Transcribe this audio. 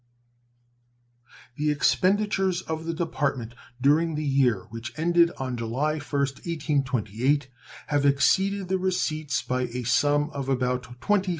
The expenditures of the Department during the year which ended on July 1st, 1828 have exceeded the receipts by a sum of about $25,000.